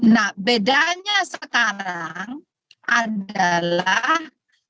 nah bedanya sekarang adalah